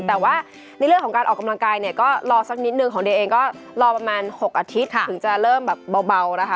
แต่ว่าในเรื่องของการออกกำลังกายเนี่ยก็รอสักนิดนึงของเดียเองก็รอประมาณ๖อาทิตย์ถึงจะเริ่มแบบเบานะคะ